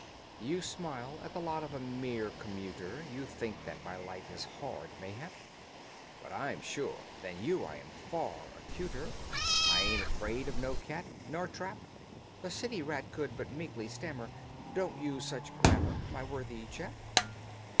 "You smile at the lot of a mere commuter, You think that my life is hard, mayhap, But I'm sure than you I am far acuter: I ain't afraid of no cat nor trap." The city rat could but meekly stammer, "Don't use such grammar, My worthy chap."